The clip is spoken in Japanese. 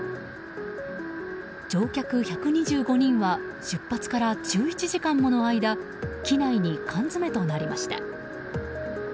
乗客１２５人は出発から１１時間もの間機内に缶詰めとなりました。